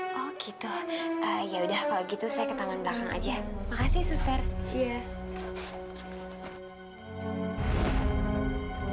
yaudah kalau gitu saya ke taman belakang aja